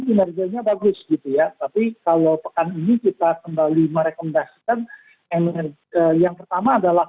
kinerjanya bagus gitu ya tapi kalau pekan ini kita kembali merekomendasikan energi yang pertama adalah